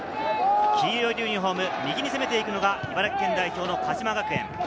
黄色いユニホーム、右に攻めて行くのが茨城県代表の鹿島学園。